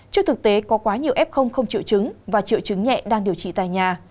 trước thực tế có quá nhiều f không triệu chứng và triệu chứng nhẹ đang điều trị tại nhà